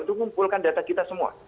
itu mengumpulkan data kita semua